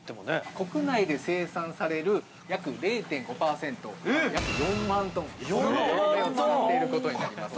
◆国内で生産される約０．５％約４万トン使っていることになります。